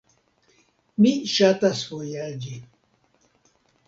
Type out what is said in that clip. Mi ŝatas vojaĝi.